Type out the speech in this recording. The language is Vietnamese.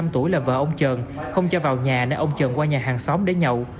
năm tuổi là vợ ông trần không cho vào nhà nên ông trần qua nhà hàng xóm để nhậu